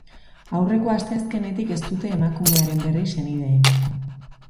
Aurreko asteazkenetik ez dute emakumearen berri senideek.